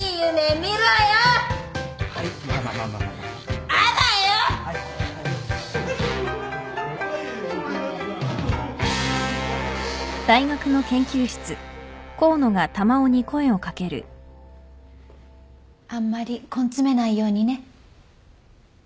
あんまり根詰めないようにね。